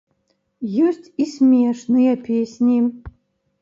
Ёсць і смешныя песні.